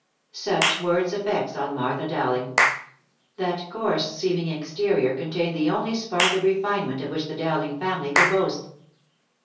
Such were its effects on Martha Dowling : that coarse seeming exterior contained the only spark of refinement of which the Dowling family could boast.